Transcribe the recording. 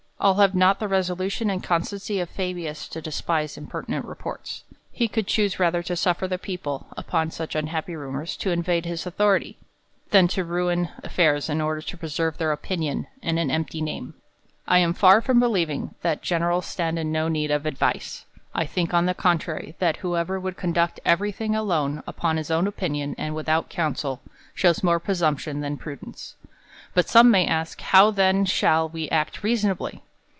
All have not the resolution and constancy of Fabius, to despise impertinent reports. He could choose rather to suffer the people, upon such unhappy rumours, to invade his authority, than to ruin affairs in order to preserve their opinion, and an empty name. D I am 38 THE COLUMBIAN ORATOR. I am far from believing, that generals stand in no need of advice : I think, on the contrary, that who ever would conduct every thing alone, upon his own opinion, and without counsel, shows more presumption than prudence. But some may ask, How then shall we act reasonably?